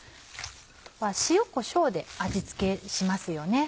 塩こしょうで味付けしますよね。